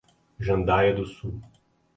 Jandaia do Sul